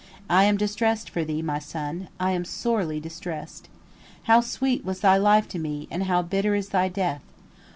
I am distressed for thee, my son, I am sorely distressed. How sweet was thy life to me, and how bitter is thy death!